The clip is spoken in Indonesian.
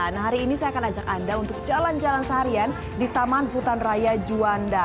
nah hari ini saya akan ajak anda untuk jalan jalan seharian di taman hutan raya juanda